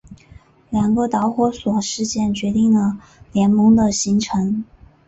两个导火索事件决定了联盟的形成。